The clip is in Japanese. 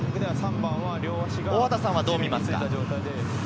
大畑さんはどう見ますか？